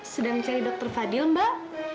sedang mencari dokter fadil mbak